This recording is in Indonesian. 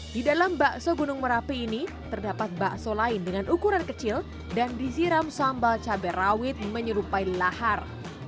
di dalam bakso gunung merapi ini terdapat bakso lain dengan ukuran kecil dan disiram sambal cabai rawit menyerupai lahar